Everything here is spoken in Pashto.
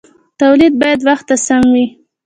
تولید باید وخت ته سم وي.